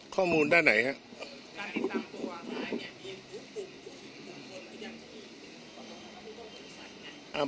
ข้อมูลด้านไหนครับ